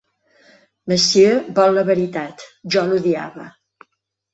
Monsieur, vol la veritat: jo l'odiava!